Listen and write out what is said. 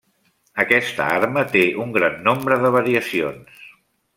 Aquesta arma té un gran nombre de variacions.